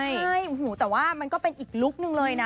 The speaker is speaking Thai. ใช่แต่ว่ามันก็เป็นอีกลุคนึงเลยนะ